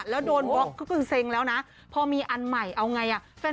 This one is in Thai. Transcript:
แล้วโดนบล็อกก็คือเซ็งแล้วนะพอมีอันใหม่เอาไงอ่ะ